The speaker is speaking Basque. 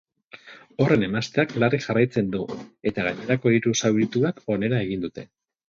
Horren emazteak larri jarraitzen du, eta gainerako hiru zaurituek onera egin dute.